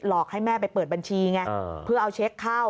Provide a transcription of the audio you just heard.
อกให้แม่ไปเปิดบัญชีไงเพื่อเอาเช็คเข้า